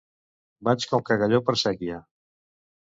Vaig com cagalló per séquia.